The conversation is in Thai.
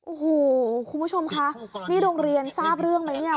โอ้โหคุณผู้ชมคะนี่โรงเรียนทราบเรื่องไหมเนี่ย